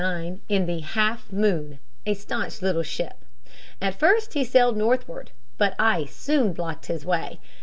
He set forth in 1609 in the Half Moon, a stanch little ship. At first he sailed northward, but ice soon blocked his way.